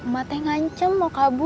mak teh ngancem mau kabur